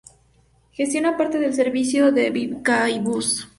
Gestiona parte del servicio de Bizkaibus.